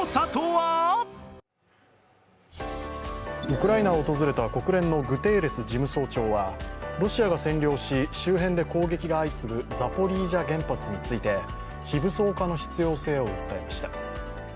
ウクライナを訪れた国連のグテーレス事務総長はロシアが占領し、周辺で攻撃が相次ぐザポリージャ原発について非武装化の必要性を訴えました。